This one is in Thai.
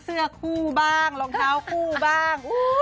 เสื้อคู่บ้างรองเท้าคู่บ้าง